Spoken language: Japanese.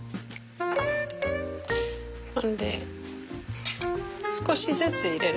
ほんで少しずつ入れる。